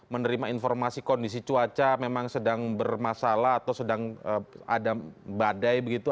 menerima informasi kondisi cuaca memang sedang bermasalah atau sedang ada badai begitu